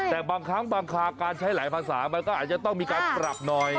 แต่บางครั้งบางคาการใช้หลายภาษามันก็อาจจะต้องมีการปรับหน่อย